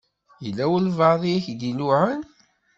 Yella walebɛaḍ i ak-d-iluɛan?